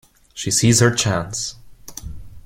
She sees her chance.